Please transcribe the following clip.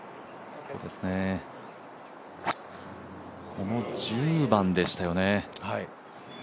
この１０番でしたよね。